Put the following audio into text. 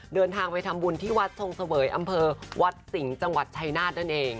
เดินทางไปทำบุญที่วัดทรงเสวยอำเภอวัดสิงห์จังหวัดชายนาฏนั่นเอง